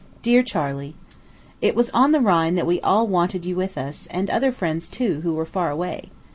DEAR CHARLEY: It was on the Rhine that we all wanted you with us, and other friends, too, who were far away.